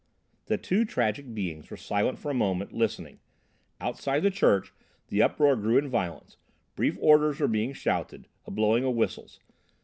The two tragic beings were silent for a moment, listening; outside the church the uproar grew in violence, brief orders were being shouted, a blowing of whistles.